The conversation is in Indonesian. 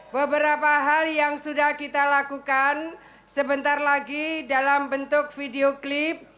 beberapa hal yang sudah kita lakukan sebentar lagi dalam bentuk video klip